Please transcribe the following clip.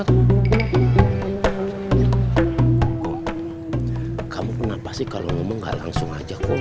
kok kamu kenapa sih kalau ngomong gak langsung aja kok